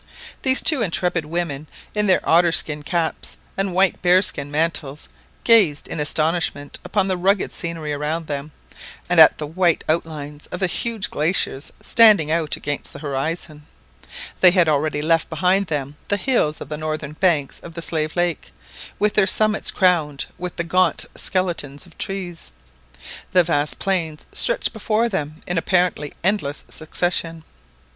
These two intrepid women, in their otter skin caps and white bear skin mantles, gazed in astonishment upon the rugged scenery around them, and at the white outlines of the huge glaciers standing out against the horizon. They had already left behind them the hills of the northern banks of the Slave Lake, with their summits crowned with the gaunt skeletons of trees. The vast plains stretched before them in apparently endless succession.